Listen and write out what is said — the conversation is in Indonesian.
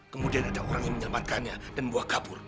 kemudian ada orang yang menyelamatkannya dan buah kabur